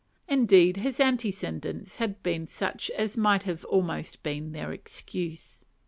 Indeed his antecedents had been such as might have almost been their excuse.